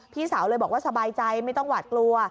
พี่สาวเลยบอกว่าสบายใจไม่ต้องหวาดกลัว